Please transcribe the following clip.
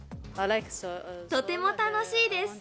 とても楽しいです。